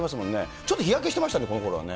ちょっと日焼けしてましたね、このころはね。